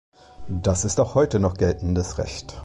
Das ist auch heute noch geltendes Recht.